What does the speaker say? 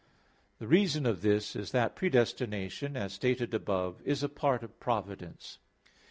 The reason of this is that predestination, as stated above (A. 1), is a part of providence.